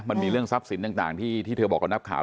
มันมีเรื่องทรัพย์สินต่างที่เธอบอกกับนักข่าว